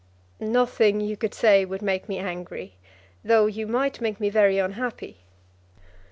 "Nothing you could say would make me angry, though you might make me very unhappy."